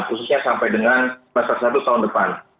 khususnya sampai dengan dua ribu dua puluh satu tahun depan